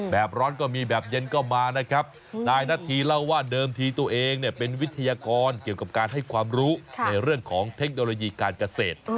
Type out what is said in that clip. แบบร้อนก็มีแบบเย็นก็มานะครับนายนาธีเล่าว่าเดิมทีตัวเองเนี่ยเป็นวิทยากรเกี่ยวกับการให้ความรู้ในเรื่องของเทคโนโลยีการเกษตร